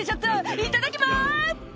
「いただきま」